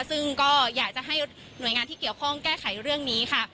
ซึ่งก็อยากจะให้หน่วยงานที่เกี่ยวข้องแก้ไขเรื่องนี้ค่ะ